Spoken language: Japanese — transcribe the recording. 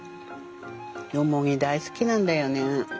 ヨモギ大好きなんだよね。